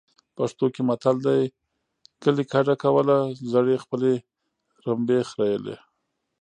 پښتو کې متل دی. کلی کډه کوله زړې خپلې رمبې خریلې.